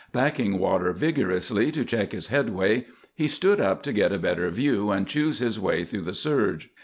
Backing water vigorously to check his headway, he stood up to get a better view and choose his way through the surge.